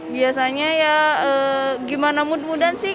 biasanya ya gimana mood moodan sih